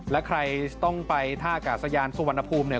และใครต้องไปท่ากาศยานสุวรรณภูมิเนี่ย